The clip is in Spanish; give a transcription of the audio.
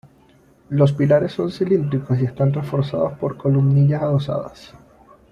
Los pilares son cilíndricos y están reforzados por columnillas adosadas.